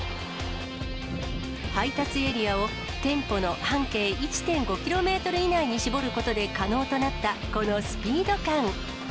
配達エリアを店舗の半径１．５キロメートル以内に絞ることで可能となったこのスピード感。